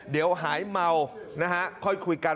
เดี๋ยวหายเมานะฮะค่อยคุยกัน